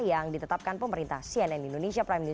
yang ditetapkan pemerintah cnn indonesia prime news